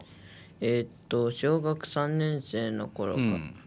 えっと小学３年生の頃から。